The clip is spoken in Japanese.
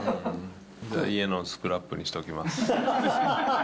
家のスクラップにしときます。